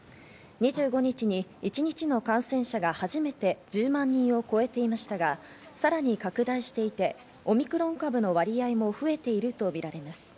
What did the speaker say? ２５日に一日の感染者が初めて１０万人を超えていましたが、さらに拡大していて、オミクロン株の割合も増えているとみられます。